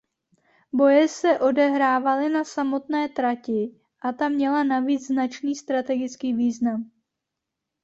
Boje se odehrávaly na samotné trati a ta měla navíc značný strategický význam.